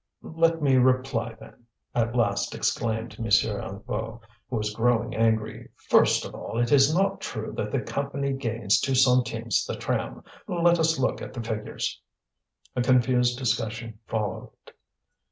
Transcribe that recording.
"Let me reply, then," at last exclaimed M. Hennebeau, who was growing angry. "First of all, it is not true that the Company gains two centimes the tram. Let us look at the figures." A confused discussion followed.